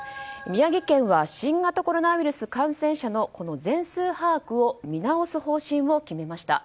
宮城県は新型コロナウイルス感染者の全数把握を見直す方針を決めました。